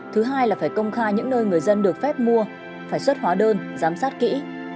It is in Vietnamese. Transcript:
thứ hai là phải công khai những nơi người dân được phép mua phải xuất hóa đơn giám sát kỹ